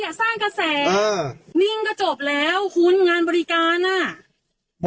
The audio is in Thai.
นิ่งก็จบแล้วคุณงานบริการอะ